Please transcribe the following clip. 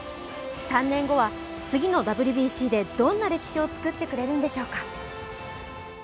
３年後は次のＷＢＣでどんな歴史を作ってくれるんでしょうか。